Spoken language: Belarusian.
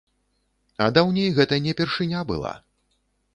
А даўней гэта не першыня была.